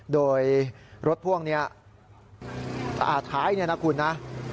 โดยรถพ่วงนี้ท้ายเนี่ยนะคุณนะ